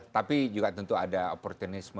tapi juga tentu ada opportunisme